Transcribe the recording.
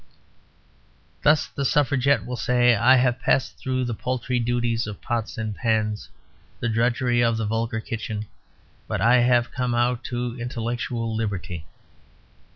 Thus the Suffragette will say, "I have passed through the paltry duties of pots and pans, the drudgery of the vulgar kitchen; but I have come out to intellectual liberty."